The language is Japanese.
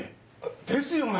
ですよね！